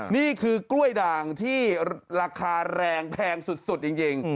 นี่คือกล้วยด่างที่ราคาแรงแพงสุดจริง